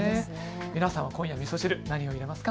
皆さんは今夜、みそ汁、何を入れますか。